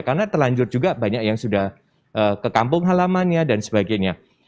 karena telanjut juga banyak yang sudah ke kampung halamannya dan sebagainya